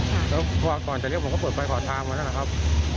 แล้วพอก่อนจะเลี้ยวผมก็เปิดไฟขอทางมาแล้วนะครับ